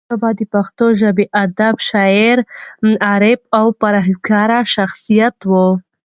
شېخ متي بابا دپښتو ژبي ادیب، شاعر، عارف او پر هېزګاره شخصیت وو.